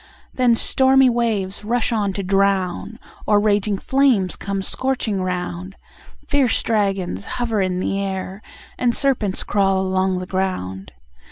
Then stormy waves rush on to drown, Or raging flames come scorching round, Fierce dragons hover in the air, And serpents crawl along the ground.